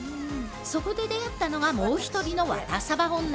そこで出会ったのがもう１人のワタサバ女。